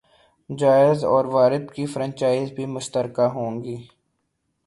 jazz اور وارد کی franchise بھی مشترکہ ہوں گی